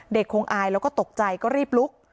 คงอายแล้วก็ตกใจก็รีบลุก